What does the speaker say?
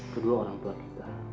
kedua orang tua kita